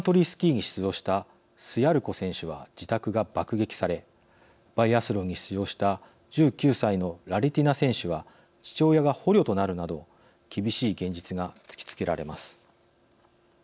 スキーに出場したスヤルコ選手は自宅が爆撃されバイアスロンに出場した１９歳のラレティナ選手は父親が捕虜となるなど厳しい現実が突きつけられます。